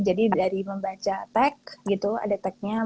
jadi dari membaca tag gitu ada tagnya